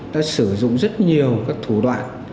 đã sử dụng rất nhiều các thủ đoạn